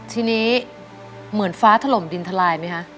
ทีนี้เหมือนฟ้าถล่มดินทลายไหมคะ